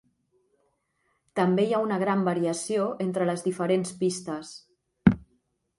També hi ha una gran variació entre les diferents pistes.